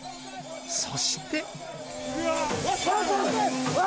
そして。